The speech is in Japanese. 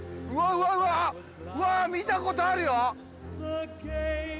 見たことあるよ！